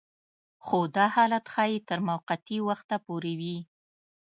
خو دا حالت ښايي تر موقتي وخته پورې وي